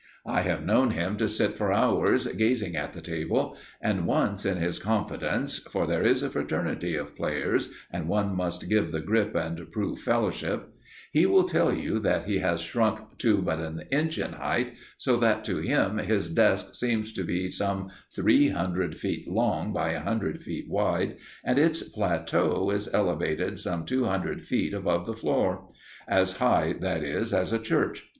I have known him to sit for hours gazing at the table, and, once in his confidence for there is a fraternity of players, and one must give the grip and prove fellowship he will tell you that he has shrunk to but an inch in height, so that, to him, his desk seems to be some three hundred feet long by a hundred feet wide, and its plateau is elevated some two hundred feet above the floor; as high, that is, as a church.